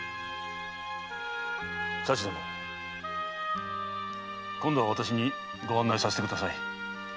佐知殿今度は私にご案内させてください。